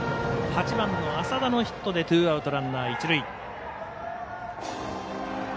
８番の麻田のヒットでツーアウトランナー、一塁。